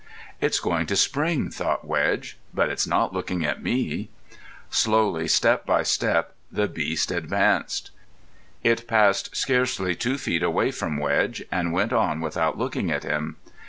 "It's going to spring," thought Wedge. "But it's not looking at me." Slowly step by step the beast advanced. It passed scarcely two feet away from Wedge, and went on without looking at him.